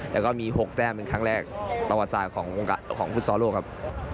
แล้วก็มี๖แต้มเป็นครั้งแรกต่อวันสายขององค์การฟุตสอธาตุโลกครับ